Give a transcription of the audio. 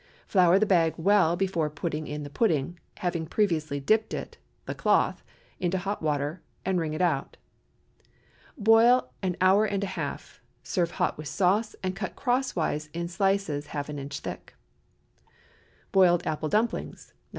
Flour the bag well before putting in the pudding, having previously dipped it—the cloth—into hot water, and wring it out. Boil an hour and a half. Serve hot with sauce, and cut crosswise in slices half an inch thick. BOILED APPLE DUMPLINGS. (No.